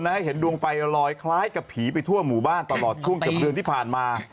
ให้เห็นดวงไฟลอยคล้ายกับผีไปทั่วหมู่บ้านตลอดช่วงเกือบเดือนที่ผ่านมา